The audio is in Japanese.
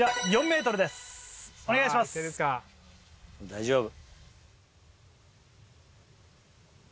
大丈夫。